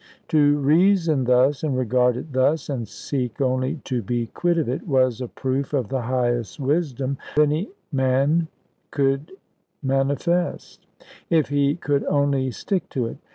To reason thus, and regard it thus, and seek only to be quit of it, was a proof of the highest wisdom any man could manifest: if he could only stick to it.